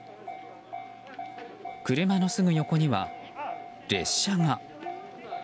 車のすぐ横には列車が。